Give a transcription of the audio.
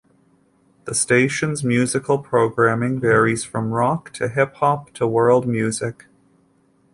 The station's musical programming varies from rock to hip-hop to world music.